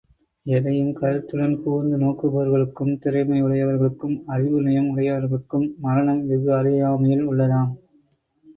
எதையும் கருத்துடன் கூர்ந்து நோக்குபவர்களுக்கும், திறமையுடையவர்களுக்கும், அறிவு நயம் உடையவர்களுக்கும், மரணம் வெகு அருகாமையில் உள்ளதுவாம்.